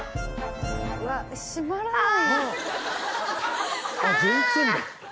わっ締まらない。